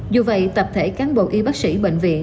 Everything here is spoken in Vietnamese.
dù vậy tập thể cán bộ y bác sĩ bệnh viện